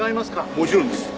もちろんです。